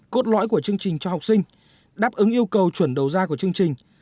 cốt lõi của chương trình cho học sinh đáp ứng yêu cầu chuẩn đầu ra của chương trình